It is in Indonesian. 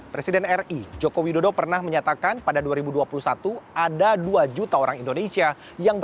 presiden ri joko widodo pernah menyatakan pada dua ribu dua puluh satu ada dua penyembuhan luka yang akan menjadi penyembuhan luka